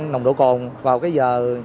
nồng độ cồn vào cái giờ